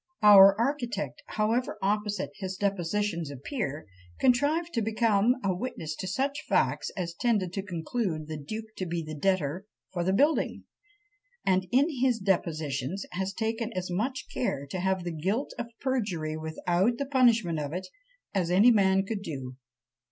Our architect, however opposite his depositions appear, contrived to become a witness to such facts as tended to conclude the duke to be the debtor for the building; and "in his depositions has taken as much care to have the guilt of perjury without the punishment of it, as any man could do."